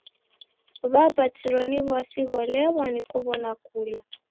W'apatiro ni w'asi gholemwa ni kuw'ona kula.